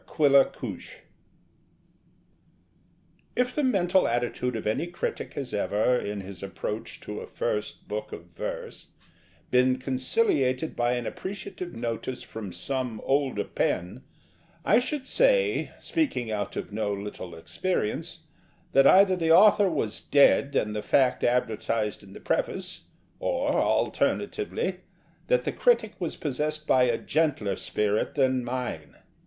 LONDON NOTE If the mental attitude of any critic has ever, in his approach to a first book of verse, been conciliated by an appreciative notice from some older pen, I should say (speaking out of no little experience) that either the author was dead and the fact advertised in the preface, or, alternatively, that the critic was possessed by a gentler spirit than mine.